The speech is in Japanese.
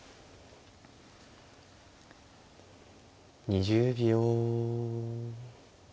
２０秒。